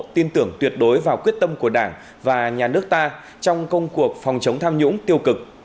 tin tưởng tuyệt đối vào quyết tâm của đảng và nhà nước ta trong công cuộc phòng chống tham nhũng tiêu cực